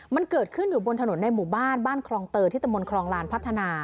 มันเกิดขึ้นอยู่บนถนนในหมู่บ้านบ้านคลองเตยที่ตะมนตรองลานพัฒนา